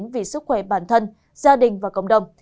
vì sức khỏe bản thân gia đình và cộng đồng